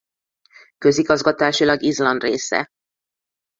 Közigazgatásilag Izland része.